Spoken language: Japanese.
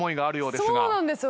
そうなんです